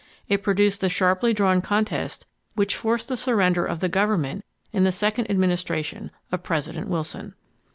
It produced the sharply drawn contest which forced the surrender of the government in the second Administration of President Wilson.